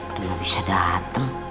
udah gak bisa dateng